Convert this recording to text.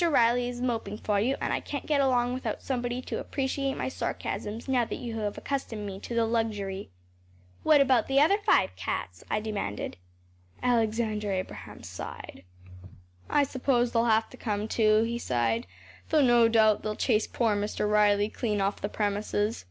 Riley is moping for you, and I can’t get along without somebody to appreciate my sarcasms, now that you have accustomed me to the luxury.‚ÄĚ “What about the other five cats?‚ÄĚ I demanded. Alexander Abraham sighed. “I suppose they’ll have to come too,‚ÄĚ he sighed, “though no doubt they’ll chase poor Mr. Riley clean off the premises.